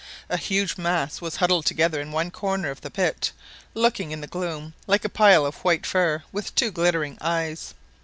A huge mass was huddled together in one corner of the pit, looking in the gloom like a pile of white fur with two glittering eyes.